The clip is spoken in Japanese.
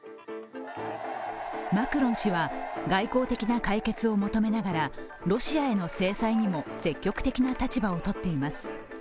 マクロン氏は外交的な解決を求めながらロシアへの制裁にも積極的な立場をとっています。